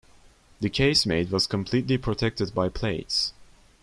The casemate was completely protected by plates.